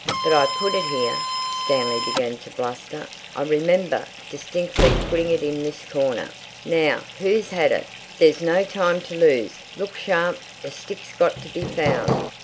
"But I put it here." Stanley began to bluster. "I remember distinctly putting it in this corner. Now, who's had it? There's no time to lose. Look sharp! The stick's got to be found."